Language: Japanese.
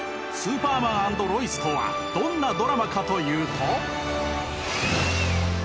「スーパーマン＆ロイス」とはどんなドラマかというと。